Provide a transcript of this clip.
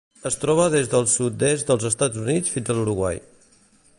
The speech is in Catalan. Es troba des del sud-est dels Estats Units fins a l'Uruguai.